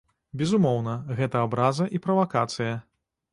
Безумоўна, гэта абраза і правакацыя.